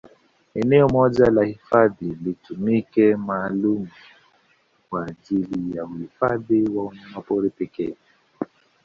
Eneo moja la hifadhi litumike maalumu kwa ajili ya uhifadhi wa wanyamapori pekee